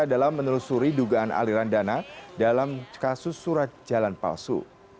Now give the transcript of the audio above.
dalam menelusuri dugaan aliran dana dalam kasus surat jalan palsu